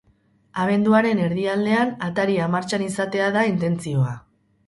Abenduaren erdialdean ataria martxan izatea da intentzioa.